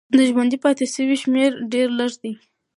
د ژوندي پاتې سویو شمېر ډېر لږ دی.